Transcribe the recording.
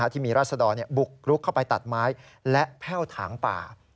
ที่มีราศดรบุกรุกเข้าไปตัดไม้และแพ่วถางป่า